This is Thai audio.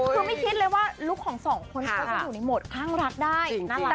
คือไม่คิดเลยว่าลูกของสองคนก็จะอยู่ในโหมดข้างรักได้จริงจริงน่ารัก